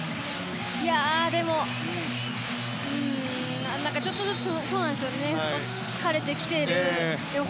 でも、ちょっとずつ疲れてきているみたいですね。